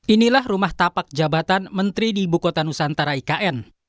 inilah rumah tapak jabatan menteri di ibu kota nusantara ikn